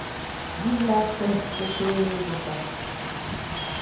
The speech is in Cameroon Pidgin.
Dis life tess sotay go pass.